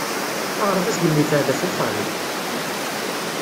Aɣerbaz-nnem yebɛed ɣef wexxam?